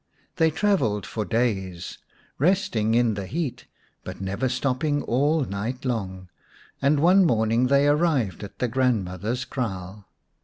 They travelled for days, 191 The Fairy Frog xvi resting in the heat, but never stopping all night long, and one morning they arrived at the grandmother's kraal.